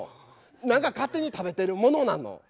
何か勝手に食べてるものなの。